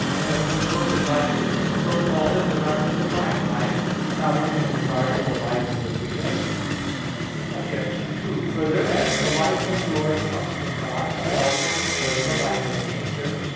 Therefore the book of life is so called in regard to divine life; and not only in regard to the life of the predestined. Obj. 2: Further, as the life of glory comes from God, so also does the life of nature.